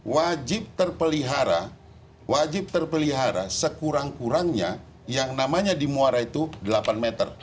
wajib terpelihara wajib terpelihara sekurang kurangnya yang namanya di muara itu delapan meter